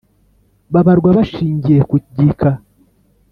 babarwa bashingiye ku gika.